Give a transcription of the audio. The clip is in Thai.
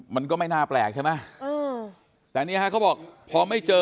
มันก็ไม่น่าแปลกใช่ไหมเออแต่นี่ฮะเขาบอกพอไม่เจอ